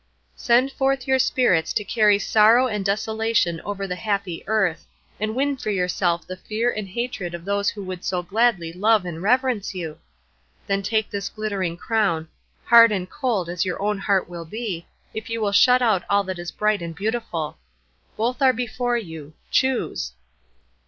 "Send forth your Spirits to carry sorrow and desolation over the happy earth, and win for yourself the fear and hatred of those who would so gladly love and reverence you. Then take this glittering crown, hard and cold as your own heart will be, if you will shut out all that is bright and beautiful. Both are before you. Choose."